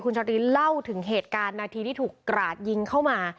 ชาตรีเล่าถึงเหตุการณ์นาทีที่ถูกกราดยิงเข้ามา